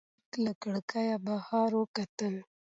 هلک له کړکۍ بهر وکتل.